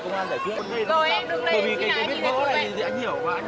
bởi vì cái vết vỡ này thì anh hiểu quá